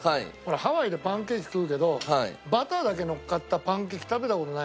ハワイでパンケーキ食うけどバターだけのっかったパンケーキ食べた事ないの。